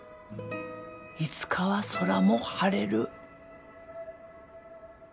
いつかは空も晴れる。